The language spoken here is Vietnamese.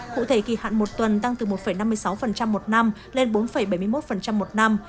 cụ thể kỳ hạn một tuần tăng từ một năm mươi sáu một năm lên bốn bảy mươi một một năm